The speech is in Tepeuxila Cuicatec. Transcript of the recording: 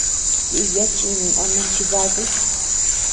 Diya chinuñ ama chibatu.